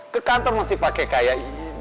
ke kantor masih pake kayak